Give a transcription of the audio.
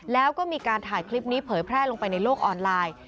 แล้วก็มีการถ่ายคลิปนี้เผยแพร่ลงไปในโลกออนไลน์